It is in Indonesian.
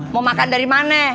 mau makan dari mana